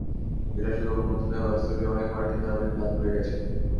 এটা শুধু অনুভূতি নয়, বাস্তবেই অনেক মার্কিন নাগরিক বাদ পড়ে গেছেন।